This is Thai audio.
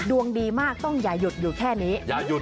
ดวงดีมากต้องอย่าหยุดอยู่แค่นี้